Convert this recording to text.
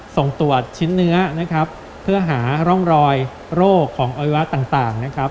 ส่งตรวจชิ้นเนื้อนะครับเพื่อหาร่องรอยโรคของอวัยวะต่างนะครับ